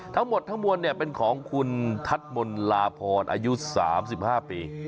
ทั้งหมดทั้งมวลเป็นของคุณทัศมนลาพรอายุ๓๕ปี